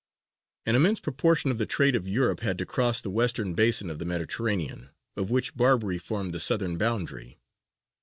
An immense proportion of the trade of Europe had to cross the western basin of the Mediterranean, of which Barbary formed the southern boundary.